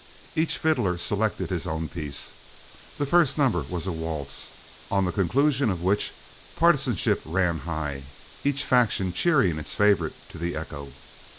Each fiddler selected his own piece. The first number was a waltz, on the conclusion of which partisanship ran high, each faction cheering its favorite to the echo.